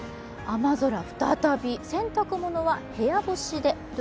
雨空再び、洗濯物は部屋干しで。